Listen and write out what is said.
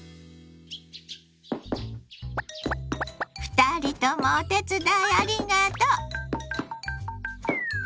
２人ともお手伝いありがとう。